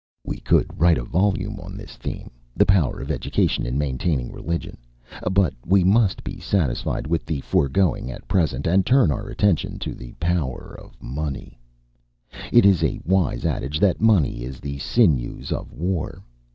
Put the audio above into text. We could write a volume on this theme the power of education in maintaining religion; but we must be satisfied with the foregoing at present, and turn our attention to the power of money. It is a wise adage that money is the sinews of war.